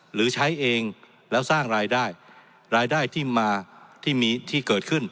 หรือใช้เองแล้วสร้างรายได้รายได้ที่มาที่มีที่เกิดขึ้น